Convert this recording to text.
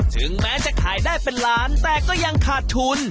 ถึงแม้จะขายได้เป็นล้านแต่ก็ยังขาดทุน